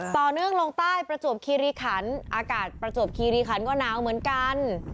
ต่อเนื่องลงใต้ประจวบคีริขันอากาศประจวบคีรีคันก็หนาวเหมือนกัน